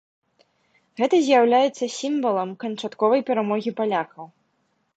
Гэта з'яўляецца сімвалам канчатковай перамогі палякаў.